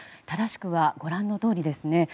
正しくは、ご覧のとおりですね。